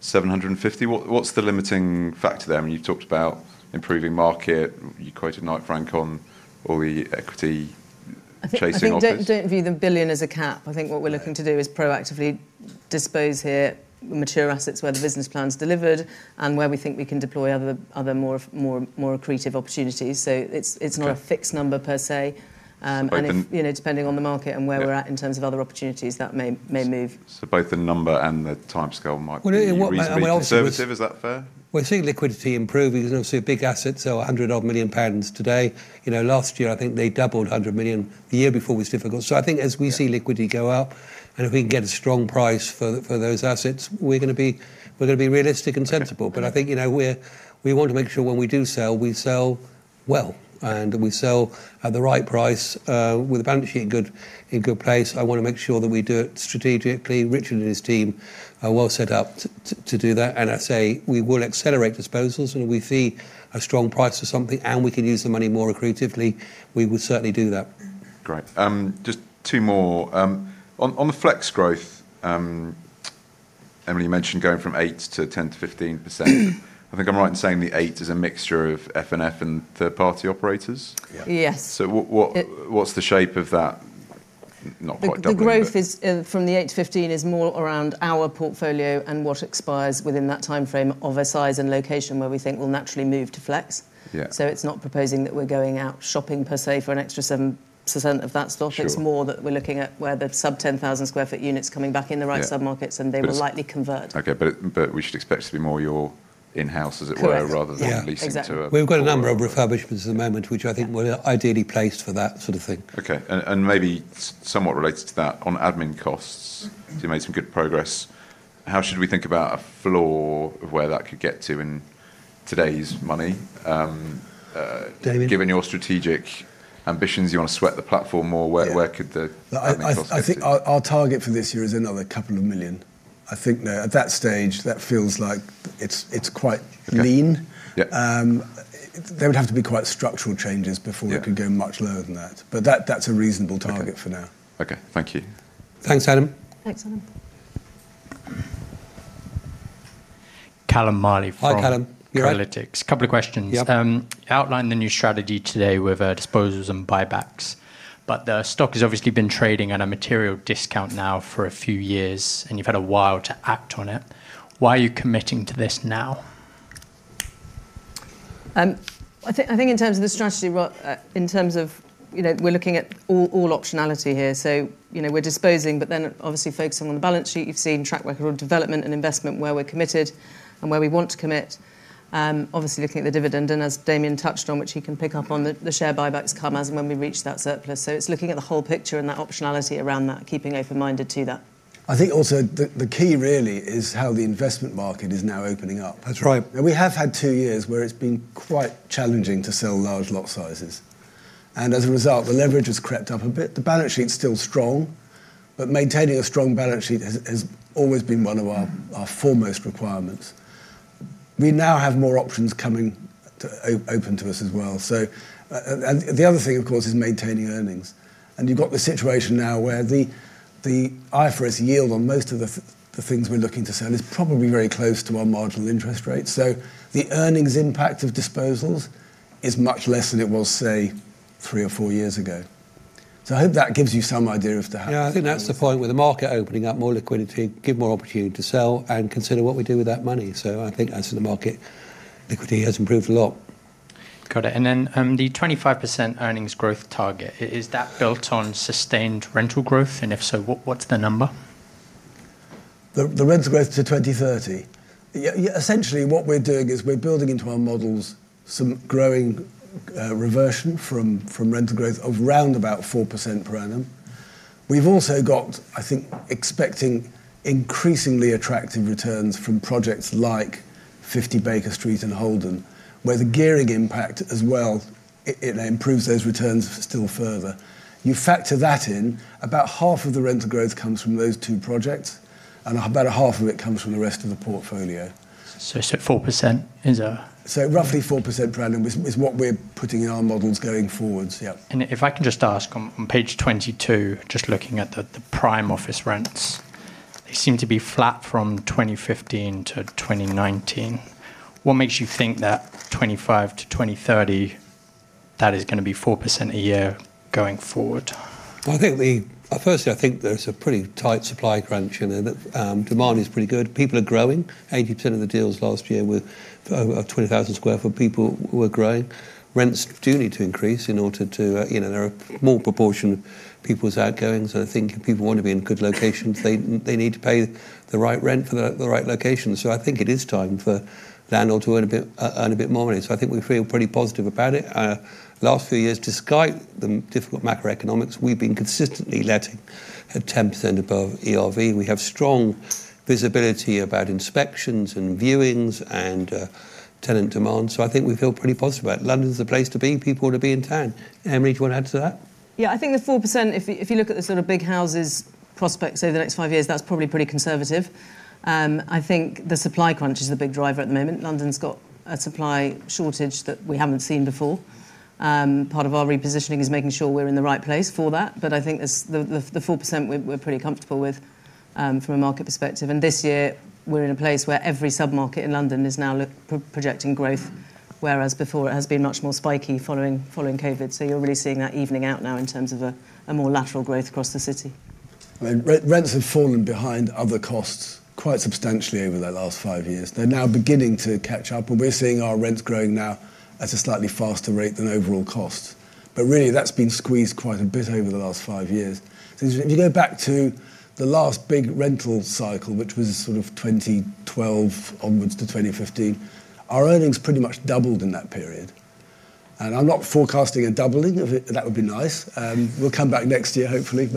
750. What's the limiting factor there? I mean, you've talked about improving market. You quoted Knight Frank on all the equity chasing office. I think don't view the 1 billion as a cap. I think what we're looking to do is proactively dispose here, mature assets where the business plan is delivered and where we think we can deploy other more accretive opportunities. It's not- Okay -a fixed number per se. Okay You know, depending on the market- Yeah -and where we're at in terms of other opportunities, that may move. Both the number and the timescale might be- Well, and we. -conservative. Is that fair? We're seeing liquidity improve because obviously, big assets are 100 million pounds today. You know, last year, I think they doubled 100 million. The year before was difficult. I think as we see liquidity go up. If we can get a strong price for those assets, we're gonna be realistic and sensible. I think, you know, we want to make sure when we do sell, we sell well, and we sell at the right price, with the balance sheet in good place. I want to make sure that we do it strategically. Richard and his team are well set up to do that. I'd say we will accelerate disposals when we see a strong price for something, and we can use the money more accretively, we will certainly do that. Great. Just two more. On the flex growth, Emily, you mentioned going from 8% to 10% to 15%. I think I'm right in saying the 8% is a mixture of F&B and third-party operators? Yeah. Yes. What? It- What's the shape of that? Not quite doubling. The growth is from the 8 to 15 is more around our portfolio and what expires within that timeframe of a size and location where we think we'll naturally move to flex. Yeah. It's not proposing that we're going out shopping per se for an extra 7% of that stock. Sure. It's more that we're looking at where the sub 10,000 sq ft units coming back in the right- Yeah -submarkets, and they will likely convert. Okay, we should expect it to be more your in-house, as it were- Correct -rather than leasing to Yeah. Exactly. We've got a number of refurbishments at the moment. Yeah We're ideally placed for that sort of thing. Okay. Maybe somewhat related to that, on admin costs, you made some good progress. How should we think about a floor of where that could get to in today's money? Damian Given your strategic ambitions, you want to sweat the platform more- Yeah -where could the admin costs be? I think our target for this year is another 2 million. I think that at that stage, that feels like it's quite lean. Okay. Yeah. There would have to be quite structural changes. Yeah We could go much lower than that, but that's a reasonable target for now. Okay. Thank you. Thanks, Adam. Thanks, Adam. Callum Marley. Hi, Callum. You all right? Kolytics. Couple of questions. Yep. Outlined the new strategy today with disposals and buybacks, but the stock has obviously been trading at a material discount now for a few years, and you've had a while to act on it. Why are you committing to this now? I think in terms of the strategy, well, in terms of, you know, we're looking at all optionality here, so, you know, we're disposing, but then obviously focusing on the balance sheet, you've seen track record development and investment where we're committed and where we want to commit. Obviously, looking at the dividend, and as Damian touched on, which he can pick up on, the share buybacks come as and when we reach that surplus. It's looking at the whole picture and that optionality around that, keeping open-minded to that. I think also the key really is how the investment market is now opening up. That's right. We have had two years where it's been quite challenging to sell large lot sizes, and as a result, the leverage has crept up a bit. The balance sheet's still strong, but maintaining a strong balance sheet has always been one of our foremost requirements. We now have more options coming open to us as well. The other thing, of course, is maintaining earnings. You've got the situation now where the IFRS yield on most of the things we're looking to sell is probably very close to our marginal interest rate. The earnings impact of disposals is much less than it was, say, three or four years ago. I hope that gives you some idea of the how. Yeah, I think that's the point. With the market opening up, more liquidity, give more opportunity to sell and consider what we do with that money. I think as to the market, liquidity has improved a lot. Got it. Then, the 25% earnings growth target, is that built on sustained rental growth? If so, what's the number? The rental growth to 2030. Yeah, essentially, what we're doing is we're building into our models some growing reversion from rental growth of around 4% per annum. We've also got, I think, expecting increasingly attractive returns from projects like 50 Baker Street and Holden, where the gearing impact as well, it improves those returns still further. You factor that in, about half of the rental growth comes from those two projects, and about half of it comes from the rest of the portfolio. So, so four percent is, uh- Roughly 4% per annum is what we're putting in our models going forwards. Yep. If I can just ask on page 22, just looking at the prime office rents, they seem to be flat from 2015 to 2019. What makes you think that 2025 to 2030, that is gonna be 4% a year going forward? Well, I think firstly, I think there's a pretty tight supply crunch, you know, that demand is pretty good. People are growing. 80% of the deals last year were 20,000 sq ft people were growing. Rents do need to increase in order to, you know, there are more proportion of people's outgoings, I think if people want to be in good locations, they need to pay the right rent for the right location. I think it is time for landlords to earn a bit, earn a bit more money. I think we feel pretty positive about it. Last few years, despite the difficult macroeconomics, we've been consistently letting at 10% above ERV. We have strong visibility about inspections, and viewings, and tenant demand. I think we feel pretty positive about it. London's the place to be. People want to be in town. Emily, do you want to add to that? Yeah, I think the 4%, if you, if you look at the sort of big houses prospects over the next 5 years, that's probably pretty conservative. I think the supply crunch is the big driver at the moment. London's got a supply shortage that we haven't seen before. part of our repositioning is making sure we're in the right place for that. I think the, the 4%, we're pretty comfortable with, from a market perspective. This year, we're in a place where every submarket in London is now projecting growth, whereas before it has been much more spiky following COVID. You're really seeing that evening out now in terms of a more lateral growth across the city. I mean, rents have fallen behind other costs quite substantially over the last five years. They're now beginning to catch up, and we're seeing our rents growing now at a slightly faster rate than overall costs. Really, that's been squeezed quite a bit over the last five years. If you go back to the last big rental cycle, which was sort of 2012 onwards to 2015, our earnings pretty much doubled in that period. I'm not forecasting a doubling of it. That would be nice. We'll come back next year, hopefully.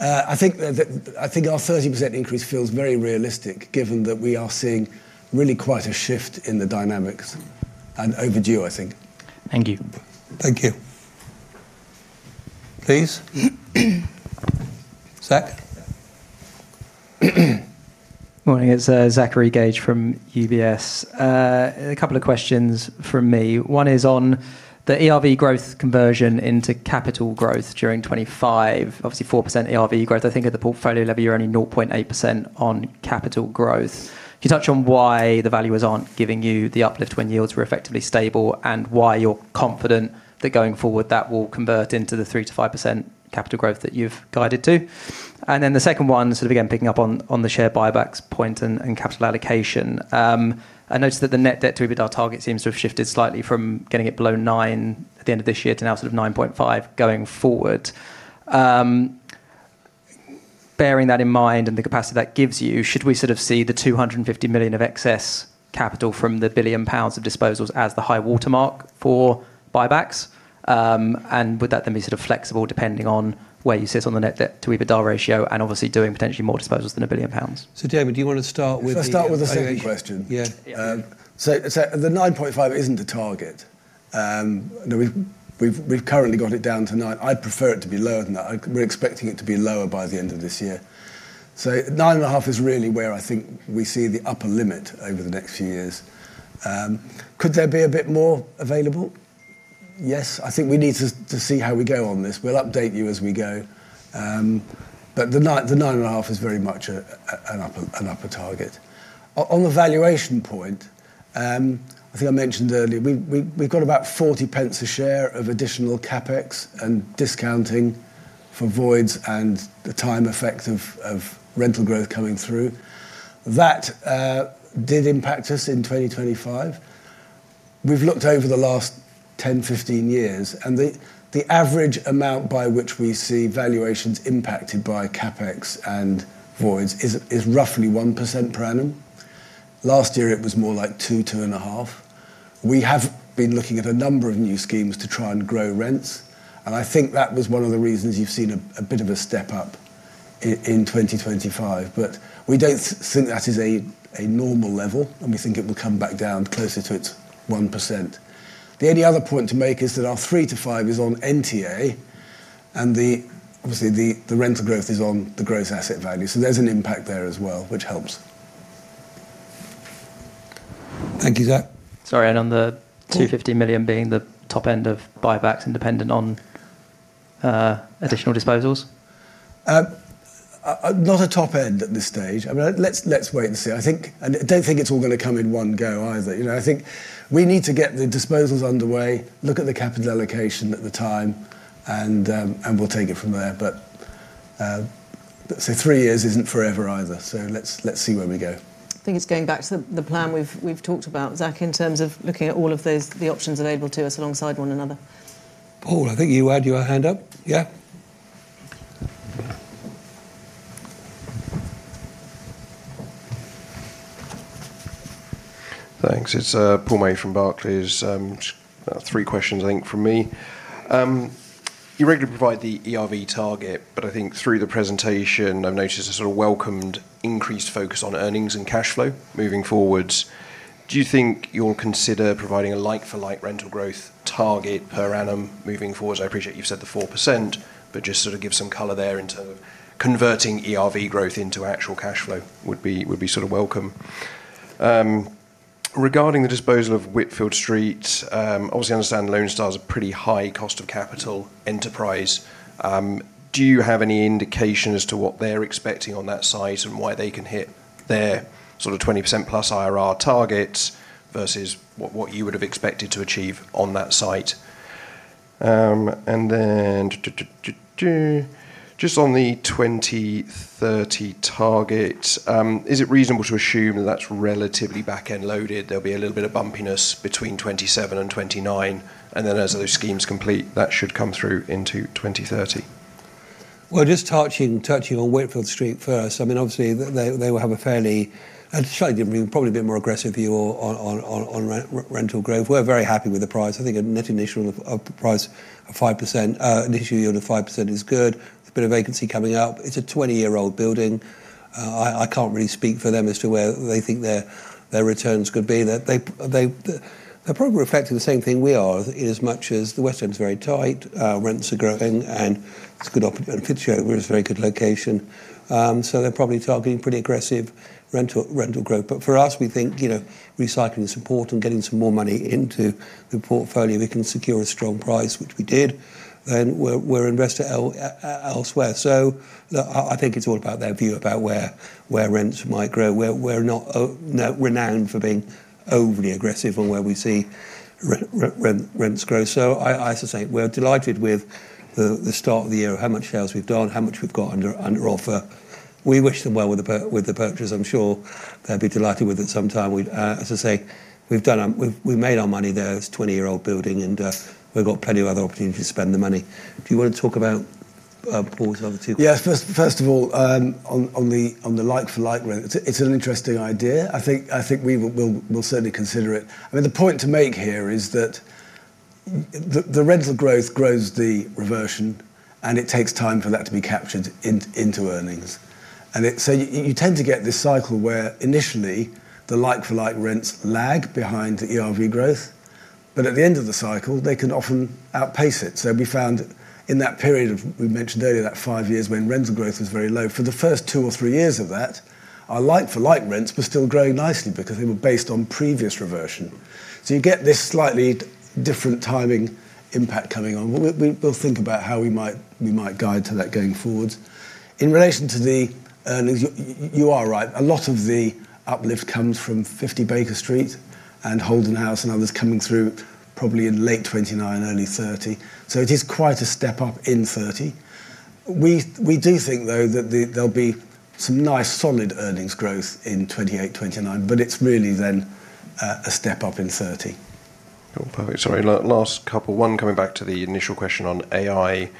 I think that, I think our 30% increase feels very realistic, given that we are seeing really quite a shift in the dynamics and overdue, I think. Thank you. Thank you. Please? Zach. Morning, it's Zachary Gauge from UBS. A couple of questions from me. One is on the ERV growth conversion into capital growth during 25. Obviously, 4% ERV growth. I think at the portfolio level, you're only 0.8% on capital growth. Can you touch on why the values aren't giving you the uplift when yields were effectively stable, and why you're confident that going forward, that will convert into the 3%-5% capital growth that you've guided to? The second one, sort of again, picking up on the share buybacks point and capital allocation. I noticed that the net debt to EBITDA target seems to have shifted slightly from getting it below 9 at the end of this year to now sort of 9.5 going forward. Bearing that in mind and the capacity that gives you, should we sort of see the 250 million of excess capital from the 1 billion pounds of disposals as the high water mark for buybacks? Would that then be sort of flexible, depending on where you sit on the net debt to EBITDA ratio and obviously, doing potentially more disposals than 1 billion pounds? Damian, do you want to start with? Should I start with the second question? Yeah. The 9.5 isn't the target. No, we've currently got it down to 9. I'd prefer it to be lower than that. We're expecting it to be lower by the end of this year. 9.5 is really where I think we see the upper limit over the next few years. Could there be a bit more available? Yes. I think we need to see how we go on this. We'll update you as we go. The 9, the 9.5 is very much an upper, an upper target. On the valuation point, I think I mentioned earlier, we've got about 40 pence a share of additional CapEx and discounting for voids and the time effect of rental growth coming through. Did impact us in 2025. We've looked over the last 10, 15 years, the average amount by which we see valuations impacted by CapEx and voids is roughly 1% per annum. Last year, it was more like 2%-2.5%. We have been looking at a number of new schemes to try and grow rents, I think that was one of the reasons you've seen a bit of a step up in 2025. We don't think that is a normal level, and we think it will come back down closer to its 1%. The only other point to make is that our 3-5 is on NTA. And the, obviously, the rental growth is on the gross asset value, so there's an impact there as well, which helps. Thank you, Zach. Sorry, on the 250 million being the top end of buybacks and dependent on additional disposals? Not a top end at this stage. I mean, let's wait and see. I don't think it's all gonna come in one go either. You know, I think we need to get the disposals underway, look at the capital allocation at the time, and we'll take it from there. Three years isn't forever either, so let's see where we go. I think it's going back to the plan we've talked about, Zach, in terms of looking at all of those, the options available to us alongside one another. Paul, I think you had your hand up. Yeah? Thanks. It's Paul May from Barclays. About three questions, I think, from me. You regularly provide the ERV target, I think through the presentation, I've noticed a sort of welcomed, increased focus on earnings and cash flow moving forwards. Do you think you'll consider providing a like-for-like rental growth target per annum moving forward? I appreciate you've said the 4%, just sort of give some color there in terms of converting ERV growth into actual cash flow would be sort of welcome. Regarding the disposal of Whitfield Street, obviously, I understand Lone Star Funds is a pretty high cost of capital enterprise. Do you have any indication as to what they're expecting on that site and why they can hit their sort of 20%+ IRR targets versus what you would have expected to achieve on that site? Just on the 2030 target, is it reasonable to assume that's relatively back-end loaded? There'll be a little bit of bumpiness between 2027 and 2029, and then as other schemes complete, that should come through into 2030. Well, just touching on Whitfield Street first, I mean, obviously, they will have a fairly, a slightly different, probably a bit more aggressive view on rental growth. We're very happy with the price. I think a net initial of the price of 5%, initial yield of 5% is good. There's a bit of vacancy coming up. It's a 20-year-old building. I can't really speak for them as to where they think their returns could be. They're probably reflecting the same thing we are, in as much as the West End is very tight, rents are growing, and it's a good opportunity. It's a very good location. They're probably targeting pretty aggressive rental growth. For us, we think, you know, recycling support and getting some more money into the portfolio, we can secure a strong price, which we did, then we're invested elsewhere. I think it's all about their view about where rents might grow. We're not renowned for being overly aggressive on where we see rents grow. I should say, we're delighted with the start of the year, how much sales we've done, how much we've got under offer. We wish them well with the purchase. I'm sure they'll be delighted with it sometime. We'd, as I say, we've made our money there. It's a 20-year-old building, and we've got plenty of other opportunities to spend the money. Do you want to talk about Paul's other two? Yes, first of all, on the like-for-like rent, it's an interesting idea. I think we'll certainly consider it. I mean, the point to make here is that the rental growth grows the reversion, and it takes time for that to be captured into earnings. You tend to get this cycle where initially, the like-for-like rents lag behind the ERV growth, but at the end of the cycle, they can often outpace it. We found in that period of, we mentioned earlier, that five years when rental growth was very low, for the first two or three years of that, our like-for-like rents were still growing nicely because they were based on previous reversion. You get this slightly different timing impact coming on. We'll think about how we might guide to that going forward. In relation to the earnings, you are right. A lot of the uplift comes from 50 Baker Street and Holden House, and others coming through probably in late 2029, early 2030. It is quite a step up in 2030. We do think, though, that there'll be some nice, solid earnings growth in 2028, 2029, but it's really then a step up in 2030. Oh, perfect. Sorry, last couple. One, coming back to the initial question on AI.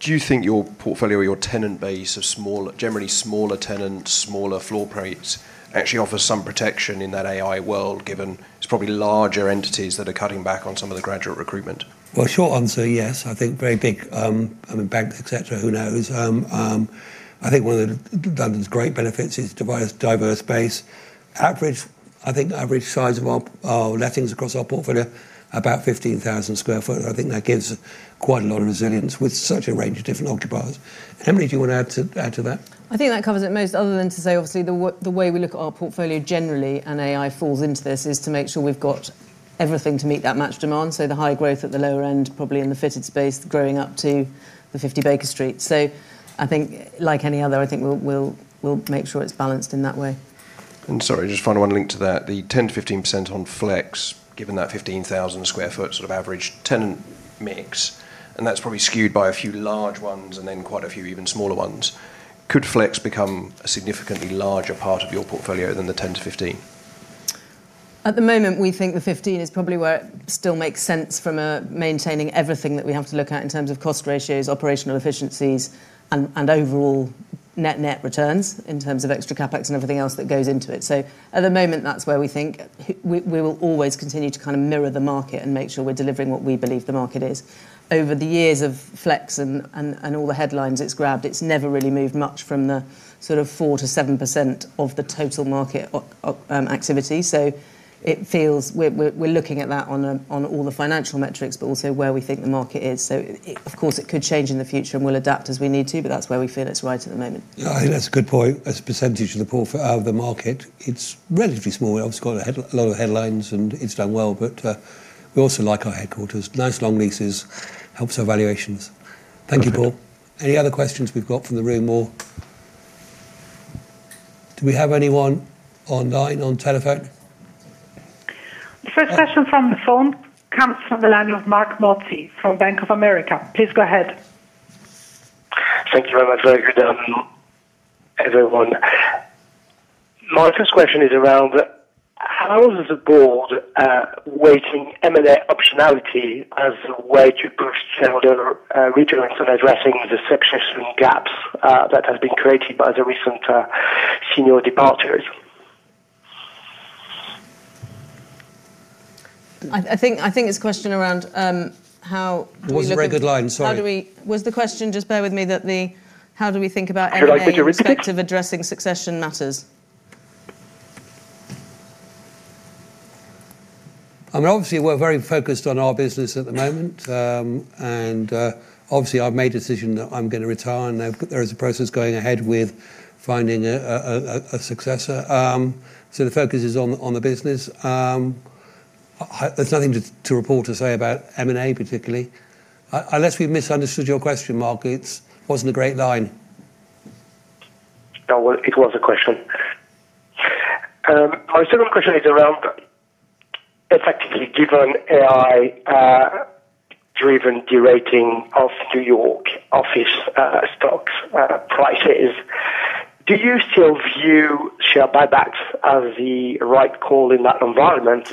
Do you think your portfolio or your tenant base of smaller, generally smaller tenants, smaller floor plates, actually offers some protection in that AI world, given it's probably larger entities that are cutting back on some of the graduate recruitment? Well, short answer, yes. I think very big, I mean, banks, et cetera, who knows? I think one of the London's great benefits is diverse base. Average, I think average size of our lettings across our portfolio, about 15,000 sq ft. I think that gives quite a lot of resilience with such a range of different occupiers. Emily, do you want to add to that? I think that covers it most, other than to say, obviously, the way we look at our portfolio generally, and AI falls into this, is to make sure we've got everything to meet that match demand. The high growth at the lower end, probably in the fitted space, growing up to the 50 Baker Street. I think like any other, I think we'll make sure it's balanced in that way. Sorry, just final one linked to that. The 10%-15% on flex, given that 15,000 sq ft sort of average tenant mix, and that's probably skewed by a few large ones and then quite a few even smaller ones. Could flex become a significantly larger part of your portfolio than the 10%-15%? At the moment, we think the 15 is probably where it still makes sense from a maintaining everything that we have to look at in terms of cost ratios, operational efficiencies, and overall net returns in terms of extra CapEx and everything else that goes into it. At the moment, that's where we think. We will always continue to kind of mirror the market and make sure we're delivering what we believe the market is. Over the years of Flex and all the headlines it's grabbed, it's never really moved much from the sort of 4%-7% of the total market activity. It feels we're looking at that on all the financial metrics, but also where we think the market is. Of course, it could change in the future, and we'll adapt as we need to, but that's where we feel it's right at the moment. Yeah, I think that's a good point. As a percentage of the pool for out of the market, it's relatively small. We obviously got a lot of headlines, and it's done well, but we also like our headquarters. Nice long leases helps our valuations. Thank you, Paul. Any other questions we've got from the room, or do we have anyone online, on telephone? The first question from the phone comes from the line of Marc Mozzi from Bank of America. Please go ahead. Thank you very much. Very good, everyone. Mark, this question is around, how is the board weighing M&A optionality as a way to boost shareholder returns and addressing the succession gaps that have been created by the recent senior departures? I think his question around. It wasn't a very good line. Sorry. Was the question, just bear with me, how do we think about M&A- Sorry, I got you. -respective addressing succession matters? I mean, obviously, we're very focused on our business at the moment. Obviously, I've made a decision that I'm gonna retire, and now there is a process going ahead with finding a successor. The focus is on the business. There's nothing to report to say about M&A, particularly. Unless we've misunderstood your question, Marc. It's wasn't a great line. No, well, it was a question. My second question is around effectively, given AI driven derating of New York office stocks prices, do you still view share buybacks as the right call in that environment?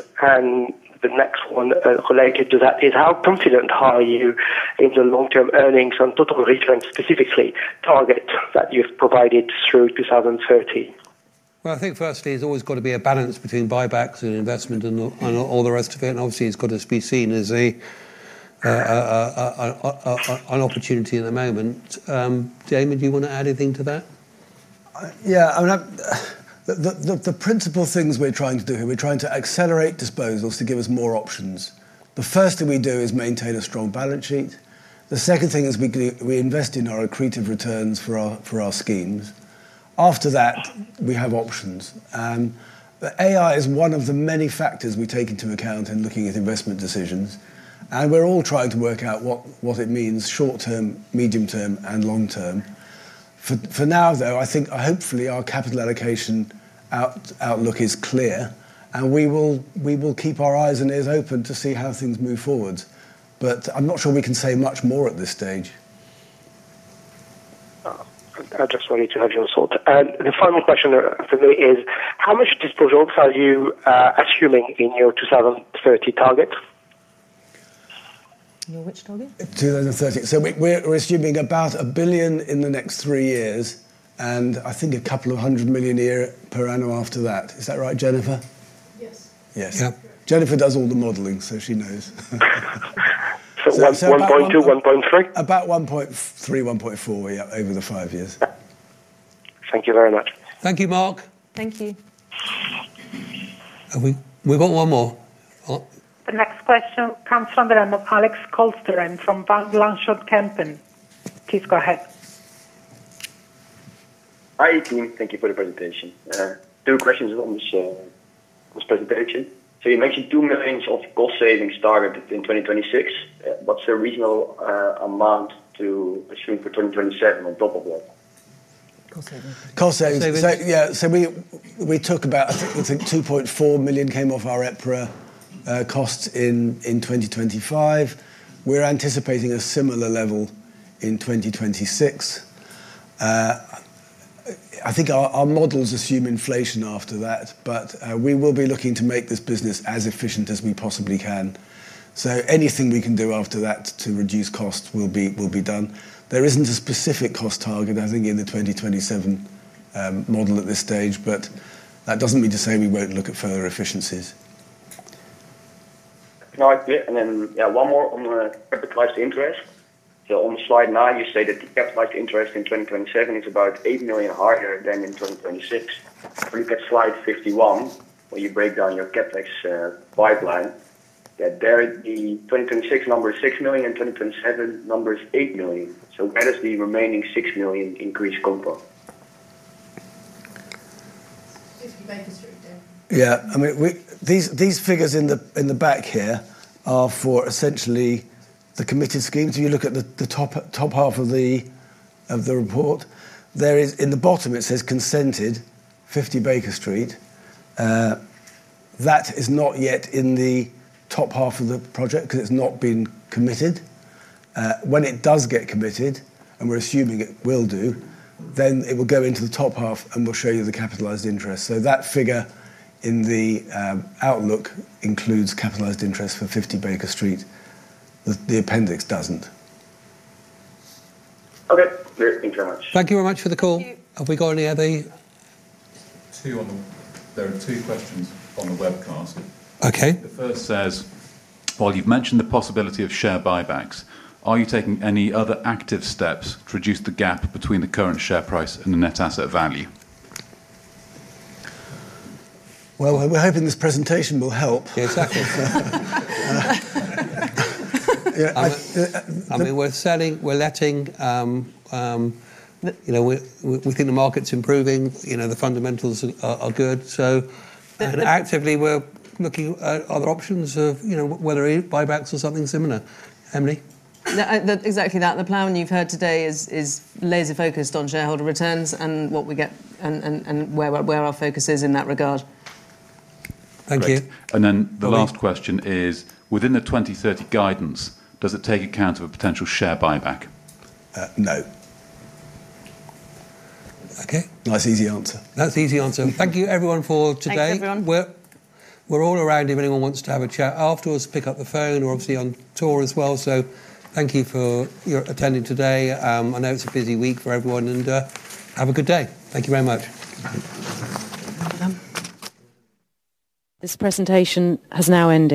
The next one related to that is: How confident are you in the long-term earnings and total returns, specifically, target that you've provided through 2030? I think firstly, there's always got to be a balance between buybacks and investment, and all the rest of it, and obviously, it's got to be seen as an opportunity at the moment. Jamie, do you wanna add anything to that? Yeah. I mean, the principal things we're trying to do here, we're trying to accelerate disposals to give us more options. The first thing we do is maintain a strong balance sheet. The second thing is we invest in our accretive returns for our schemes. After that, we have options. The AI is one of the many factors we take into account in looking at investment decisions, and we're all trying to work out what it means short term, medium term, and long term. For now, though, I think, hopefully, our capital allocation outlook is clear, and we will keep our eyes and ears open to see how things move forward. I'm not sure we can say much more at this stage. I just wanted to have you assured. The final question for me is: How much disposals are you assuming in your 2030 target? Your which target? 2030. We're assuming about 1 billion in the next 3 years, and I think 200 million a year per annum after that. Is that right, Jennifer? Yes. Yes. Yeah. Jennifer does all the modeling, so she knows. 1.2, 1.3? About 1.3, 1.4, yeah, over the five years. Thank you very much. Thank you, Marc. Thank you. We've got one more. The next question comes from Alex Kolsteren from Van Lanschot Kempen. Please go ahead. Hi, team. Thank you for the presentation. Two questions on this presentation. You mentioned 2 million of cost savings started in 2026. What's your regional amount to assume for 2027 on top of that? Cost savings. Cost savings. Savings. We took about, I think, 2.4 million came off our EPRA costs in 2025. We're anticipating a similar level in 2026. I think our models assume inflation after that, we will be looking to make this business as efficient as we possibly can. Anything we can do after that to reduce cost will be done. There isn't a specific cost target, I think, in the 2027 model at this stage, that doesn't mean to say we won't look at further efficiencies. Right. One more on the capitalized interest. On slide 9, you say that the capitalized interest in 2027 is about 8 million higher than in 2026. When you get slide 51, where you break down your CapEx pipeline, the 2026 number is 6 million, and 2027 number is 8 million. Where is the remaining 6 million increased come from? 50 Baker Street, yeah. Yeah, I mean, we, these figures in the back here are for essentially the committed schemes. If you look at the top half of the report. In the bottom, it says, "Consented, 50 Baker Street." That is not yet in the top half of the project because it's not been committed. When it does get committed, and we're assuming it will do, it will go into the top half, and we'll show you the capitalized interest. That figure in the outlook includes capitalized interest for 50 Baker Street. The appendix doesn't. Okay, great. Thank you very much. Thank you very much for the call. Thank you. Have we got any other? There are two questions on the webcast. Okay. The first says: While you've mentioned the possibility of share buybacks, are you taking any other active steps to reduce the gap between the current share price and the net asset value? Well, we're hoping this presentation will help. Yeah, exactly. Yeah, I mean, we're letting, you know, we think the market's improving, you know, the fundamentals are good. Actively, we're looking at other options of, you know, whether it... buybacks or something similar. Emily? Yeah, exactly that. The plan you've heard today is laser-focused on shareholder returns and what we get and where our focus is in that regard. Thank you. The last question is: Within the 2030 guidance, does it take account of a potential share buyback? No. Okay. Nice, easy answer. That's easy answer. Thank you, everyone, for today. Thanks, everyone. We're all around if anyone wants to have a chat afterwards, pick up the phone. We're obviously on tour as well. Thank you for your attending today. I know it's a busy week for everyone. Have a good day. Thank you very much. This presentation has now ended.